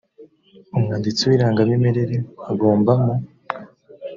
umwanditsi w irangamimerere agomba mu